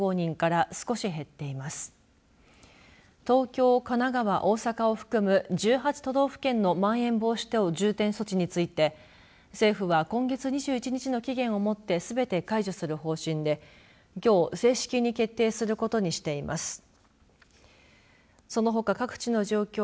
東京、神奈川、大阪を含む１８都道府県のまん延防止等重点措置について政府は今月２１日の期限をもってすべて解除する方針できょう正式に決定することにしています。